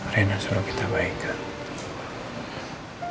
renan suruh kita baikkan